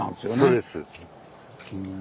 そうです。